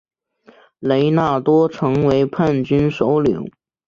雷纳多成为叛军首领。